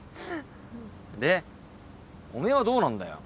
でおめえはどうなんだよ？